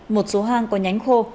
một số hang có nhánh khô